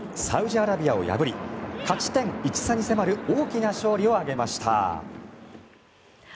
サウジアラビアを破り勝ち点１差に迫る大きな勝利を挙げました。